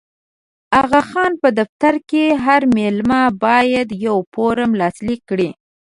د اغا خان په دفتر کې هر مېلمه باید یوه فورمه لاسلیک کړي.